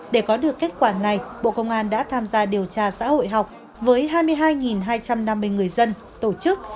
để có được kết quả này bộ công an đã tham gia điều tra xã hội học với hai mươi hai hai trăm năm mươi người dân tổ chức